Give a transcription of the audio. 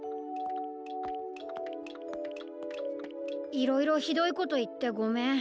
いろいろひどいこといってごめん。